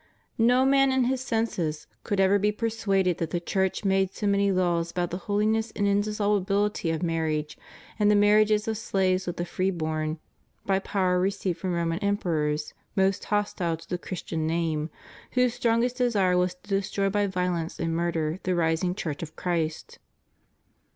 No man in his senses could ever be persuaded that the Church made so many laws about the holiness and indis solubiUty of marriage, and the marriages of slaves with the free born, by power received from Roman emperors most hostile to the Christian name, whose strongest desire was to destroy by violence and murder the rising Church of Christ.